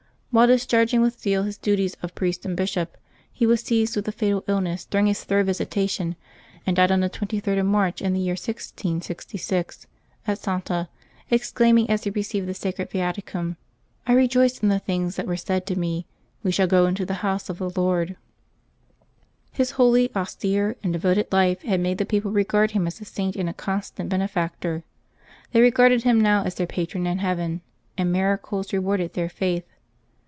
While discharging with zeal his duties of priest and bishop, he was seized with a fatal illness during his third visitation, and died on the 23d of March in the year 1666, at Santa, exclaiming, as he received the sacred Viaticum :" I rejoiced in the things that were said to me :* We shall go into the house of the Lord.^ " His holy, austere, and devoted life had made the people regard him as a saint and a constant benefactor. They re garded him now as their patron in heaven, and miracles rewarded their faith.